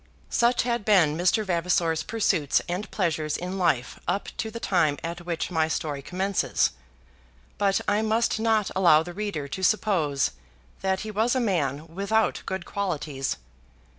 Such had been Mr. Vavasor's pursuits and pleasures in life up to the time at which my story commences. But I must not allow the reader to suppose that he was a man without good qualities.